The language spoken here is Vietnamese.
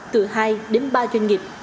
từ hai đến ba doanh nghiệp